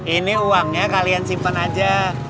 ini uangnya kalian simpan aja